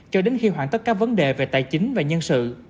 cho đến khi hoạn tất các vấn đề về tài chính và nhân sự